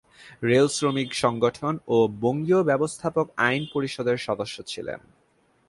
Rail শ্রমিক সংগঠন ও বঙ্গীয় ব্যবস্থাপক আইন পরিষদের সদস্য ছিলেন।